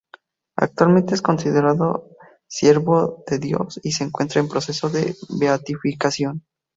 Actualmente es considerado siervo de Dios y se encuentra en proceso de beatificación.